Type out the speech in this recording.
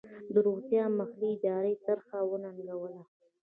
د روغتیا محلي ادارې طرحه وننګوله.